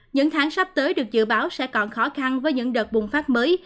những tháng sắp tới được dự báo sẽ còn khó khăn với những đợt bùng phát mới